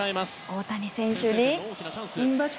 大谷選手に。